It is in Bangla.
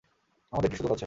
আমাদের একটি সুযোগ আছে।